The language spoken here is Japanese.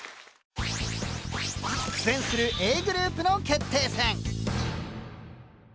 苦戦するＡグループの決定戦。